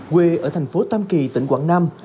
quê ở thành phố tam kỳ tỉnh quảng nam